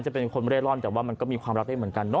จะเป็นคนเร่ร่อนแต่ว่ามันก็มีความรักได้เหมือนกันเนอ